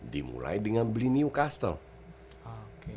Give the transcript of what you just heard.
dimulai dengan beli newcastle